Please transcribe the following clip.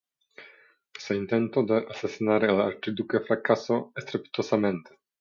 Ese intento de asesinar al archiduque fracasó estrepitosamente.